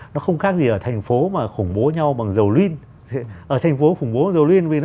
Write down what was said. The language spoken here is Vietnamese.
nó không khác gì ở thành phố mà khủng bố nhau bằng dầu luyên ở thành phố khủng bố dầu liên vì nó